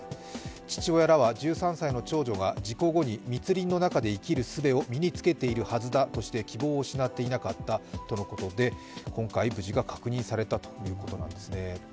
父親らは、１３歳の長女が事故後に密林の中で生きるすべを身につけているはずだとして希望を失っていなかったということで、今回無事が確認されたということなんですね。